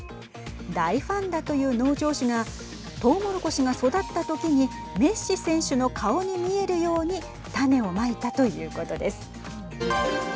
大ファンだという農場主がとうもろこしが育った時にメッシ選手の顔に見えるように種をまいたということです。